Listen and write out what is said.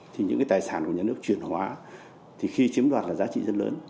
thì những cái tài sản của nhà nước chuyển hóa thì khi chiếm đoạt là giá trị rất lớn